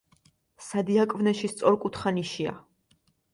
სადიაკვნეში სწორკუთხა ნიშია.